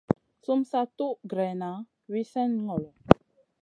Sum sa tun greyna wi slèh ŋolo.